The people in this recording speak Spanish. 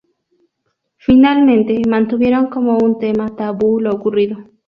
Finalmente mantuvieron como un tema Tabú lo ocurrido.